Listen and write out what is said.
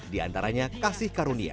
di antaranya kasih karunia